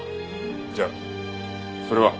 じゃあそれは？